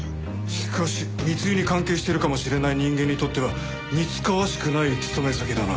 しかし密輸に関係してるかもしれない人間にとっては似つかわしくない勤め先だな。